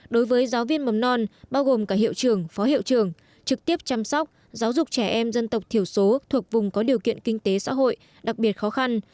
đối với giáo viên mầm non bao gồm cả hiệu trưởng phó hiệu trường trực tiếp chăm sóc giáo dục trẻ em dân tộc thiểu số thuộc vùng có điều kiện kinh tế xã hội đặc biệt khó khăn